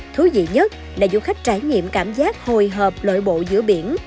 thú vị nhất là du khách trải nghiệm cảm giác hồi hợp lợi bộ giữa biển